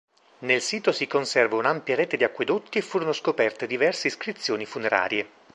Nel sito si conserva un'ampia rete di acquedotti e furono scoperte diverse iscrizioni funerarie.